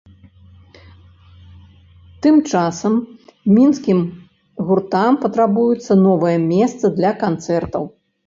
Тым часам мінскім гуртам патрабуецца новае месца для канцэртаў.